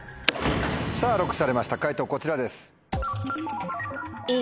さぁＬＯＣＫされました解答こちらです。